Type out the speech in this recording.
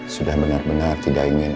sudah benar benar tidak ingin